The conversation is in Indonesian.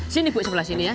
sini bu sebelah sini ya